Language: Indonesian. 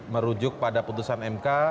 merujuk pada putusan mk